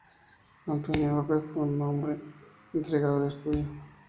Antonio Orbe fue un hombre entregado al estudio.